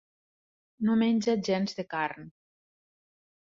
No menja gens de carn.